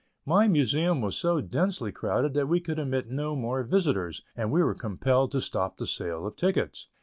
my Museum was so densely crowded that we could admit no more visitors, and we were compelled to stop the sale of tickets.